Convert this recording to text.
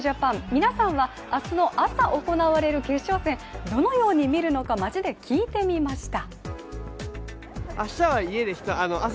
皆さんは明日の朝、行われる決勝戦、どのように見るのか街で聞いてみました。